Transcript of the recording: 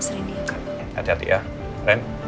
terutama dia boket